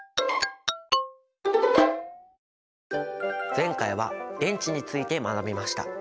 前回は電池について学びました。